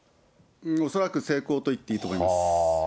恐らく成功と言っていいと思います。